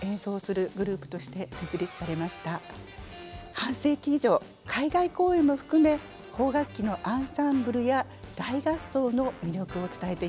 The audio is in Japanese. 半世紀以上海外公演も含め邦楽器のアンサンブルや大合奏の魅力を伝えています。